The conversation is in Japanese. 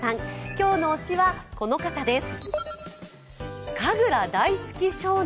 今日の推しは、この方です。